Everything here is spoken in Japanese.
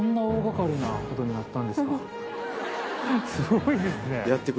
すごいですね。